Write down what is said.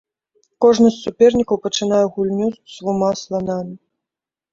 Кожны з супернікаў пачынае гульню з дзвюма сланамі.